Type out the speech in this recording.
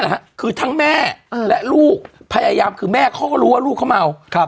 นะฮะคือทั้งแม่และลูกพยายามคือแม่เขาก็รู้ว่าลูกเขาเมาครับ